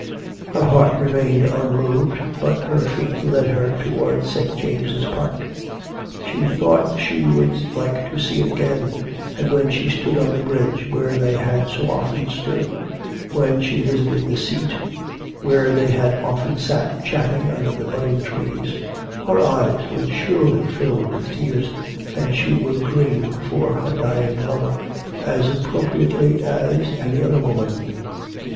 Her heart remained unmoved, but her feet led her towards St. James' Park. She thought she would like to see it again, and when she stood on the bridge where they had so often stood, when she visited the seat where they had often sat chatting under the budding trees her eyes would surely fill with tears, and she would grieve for her dying lover as appropriately as any other woman.